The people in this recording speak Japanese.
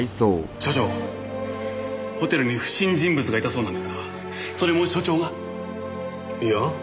所長ホテルに不審人物がいたそうなんですがそれも所長が？いや。